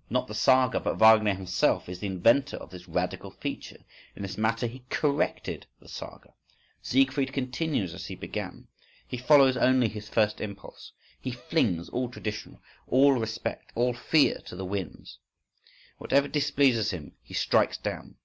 … Not the saga, but Wagner himself is the inventor of this radical feature, in this matter he corrected the saga.… Siegfried continues as he began: he follows only his first impulse, he flings all tradition, all respect, all fear to the winds. Whatever displeases him he strikes down.